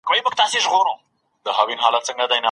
اقتصادي روابط بايد په پوره دقت وڅېړل سي.